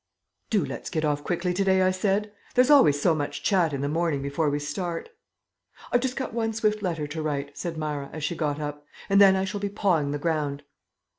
"Do let's get off quickly to day," I said. "There's always so much chat in the morning before we start." "I've just got one swift letter to write," said Myra, as she got up, "and then I shall be pawing the ground."